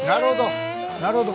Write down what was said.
なるほど！